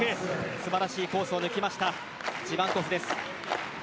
素晴らしいコースできましたジバンコフです。